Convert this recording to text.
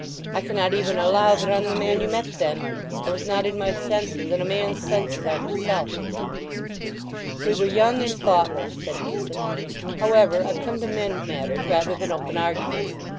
I cannot even allow that I'm the man you met then. I was not in my senses, and a man's senses are himself." "We were young and thoughtless," said Newson. "However, I've come to mend matters rather than open arguments.